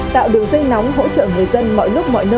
tạo đường dây nóng hỗ trợ người dân mọi lúc mọi nơi